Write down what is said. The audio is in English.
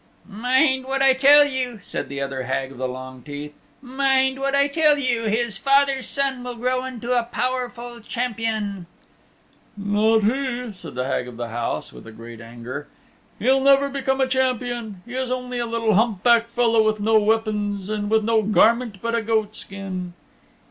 "Mind what I tell you," said the other Hag of the Long Teeth. "Mind what I tell you. His father's son will grow into a powerful champion." "Not he," said the Hag of the House, with great anger. "He'll never become a Champion. He's only a little hump backed fellow with no weapons and with no garment but a goatskin."